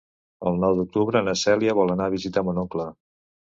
El nou d'octubre na Cèlia vol anar a visitar mon oncle.